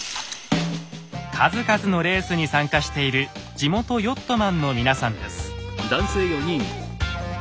数々のレースに参加している地元ヨットマンの皆さんです。